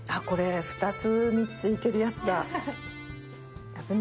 これ２つ３ついけるやつだ。